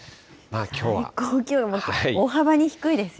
最高気温、大幅に低いですよ